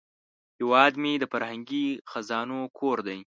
هیواد مې د فرهنګي خزانو کور دی